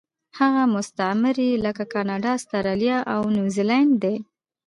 هغه مستعمرې لکه کاناډا، اسټرالیا او نیوزیلینډ دي.